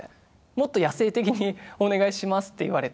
「もっと野性的にお願いします」って言われて。